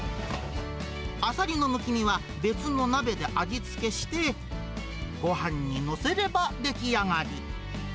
あさりのむき身は別の鍋で味付けして、ごはんに載せれば出来上がり。